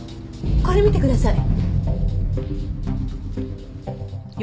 これ見てください。